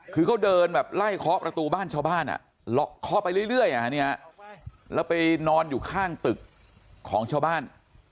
คือเขาเดินแบบไล่เคาะประตูบ้านชาวบ้านเคาะไปเรื่อยแล้วไปนอนอยู่ข้างตึกของชาวบ้าน